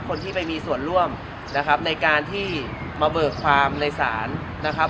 คนที่ไปมีส่วนร่วมนะครับในการที่มาเบิกความในศาลนะครับ